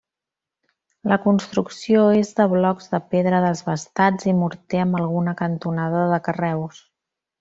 La construcció és de blocs de pedra desbastats i morter amb alguna cantonada de carreus.